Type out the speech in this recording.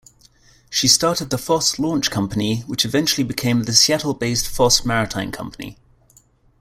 She started the Foss Launch Company, which eventually became the Seattle-based Foss Maritime Company.